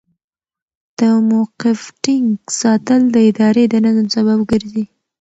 د موقف ټینګ ساتل د ادارې د نظم سبب ګرځي.